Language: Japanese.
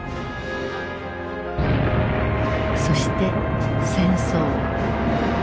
そして戦争。